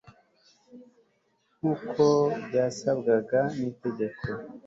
nk uko byasabwaga n itegeko